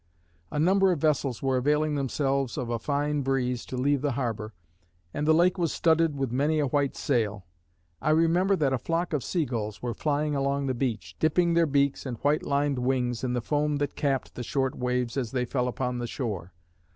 A number of vessels were availing themselves of a fine breeze to leave the harbor, and the lake was studded with many a white sail. I remember that a flock of sea gulls were flying along the beach, dipping their beaks and white lined wings in the foam that capped the short waves as they fell upon the shore.